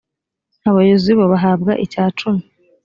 abayobozi bo bahabwa icya cumi